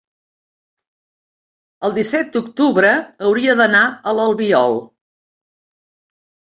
el disset d'octubre hauria d'anar a l'Albiol.